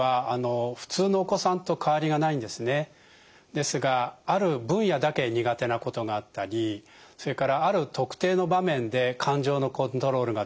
ですがある分野だけ苦手なことがあったりそれからある特定の場面で感情のコントロールができなくなる。